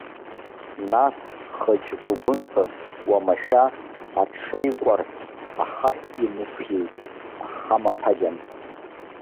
Нас хыџьгәыгәынҵас уамашәа аҽеикәарҳә, ахаҳә инықәиеит, ахамаԥагьан.